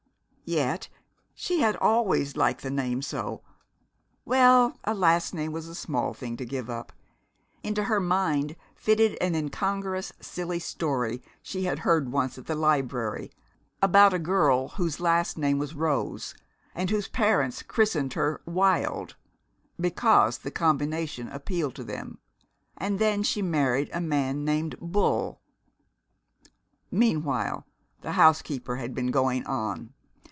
Yet she had always liked the name so well, a last name was a small thing to give up.... Into her mind fitted an incongruous, silly story she had heard once at the library, about a girl whose last name was Rose, and whose parents christened her Wild, because the combination appealed to them. And then she married a man named Bull.... Meanwhile the housekeeper had been going on.